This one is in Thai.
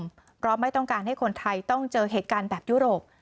เพราะไม่ต้องการให้คนไทยต้องเจอเหตุการณ์แบบยุโรป